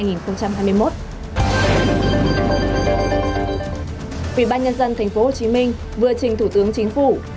ủy ban nhân dân tp hcm vừa trình thủ tướng chính phủ